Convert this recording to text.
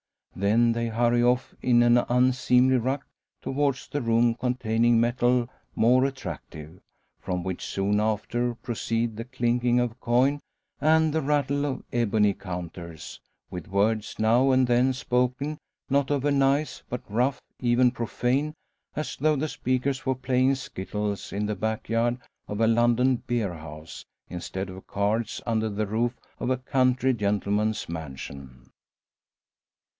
Then they hurry off in an unseemly ruck towards the room containing metal more attractive; from which soon after proceed the clinking of coin and the rattle of ebony counters; with words now and then spoken not over nice, but rough, even profane, as though the speakers were playing skittles in the backyard of a London beerhouse, instead of cards under the roof of a country gentleman's mansion!